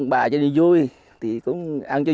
bà cho vui thì cúng ăn cho